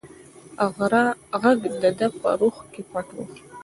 غږ د ده په روح کې پټ و.